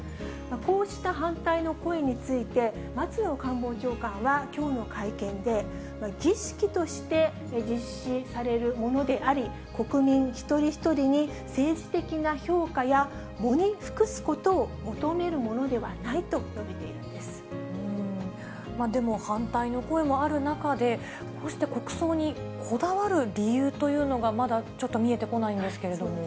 こうした反対の声について、松野官房長官はきょうの会見で、儀式として実施されるものであり、国民一人一人に政治的な評価や喪に服すことを求めるものではないでも、反対の声もある中で、こうして国葬にこだわる理由というのが、まだちょっと見えてこなそうですよね。